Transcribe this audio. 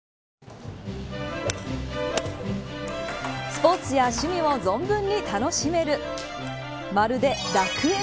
スポーツや趣味を存分に楽しめるまるで楽園。